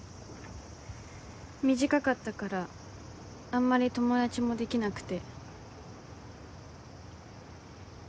短かったからあんまり友達もできなくて。